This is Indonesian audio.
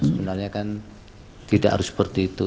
sebenarnya kan tidak harus seperti itu